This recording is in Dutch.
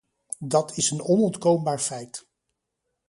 Dat is een onontkoombaar feit.